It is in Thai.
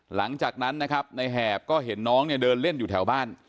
หลังจากนั้นนะครับในแหบก็เห็นน้องเนี่ยเดินเล่นอยู่แถวบ้าน